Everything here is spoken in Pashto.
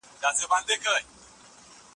علماء بايد خلګو ته د شريعت احکام بيان کړي.